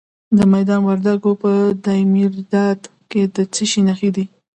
د میدان وردګو په دایمیرداد کې د څه شي نښې دي؟